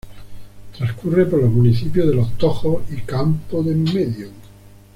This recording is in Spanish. Transcurre por los municipios de Los Tojos y Campoo de Enmedio.